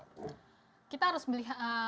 kita harus melihat